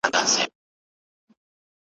رنګ د جهاني د غزل میو ته لوېدلی دی